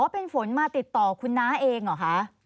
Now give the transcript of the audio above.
เป็นฝนมาติดต่อคุณน้าเองเหรอคะ